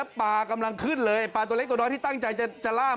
แล้วปลากำลังขึ้นเลยปลาตัวเล็กก่อนด้วยที่ตั้งใจจะล่ามันจะจึดตักมันนะ